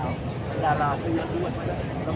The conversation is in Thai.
ขอแล้วกับเราว่าเรื่องที่ตั้งใจทุกคนครับ